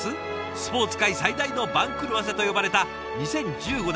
「スポーツ界最大の番狂わせ」と呼ばれた２０１５年